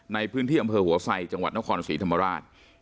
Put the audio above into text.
ในพื้นที่อำเภอหัวไซจังหวัดนครศรีธรรมราช